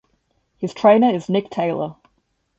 His trainer is Nick Taylor.